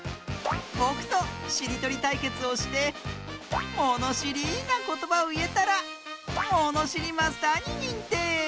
ぼくとしりとりたいけつをしてものしりなことばをいえたらものしりマスターににんてい！